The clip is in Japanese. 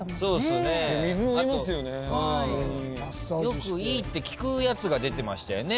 よくいいって聞くやつが出てましたよね